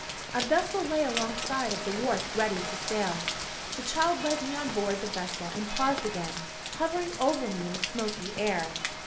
A vessel lay along side of the wharf ready to sail. The child led me on board the vessel and paused again, hovering over me in the smoky air.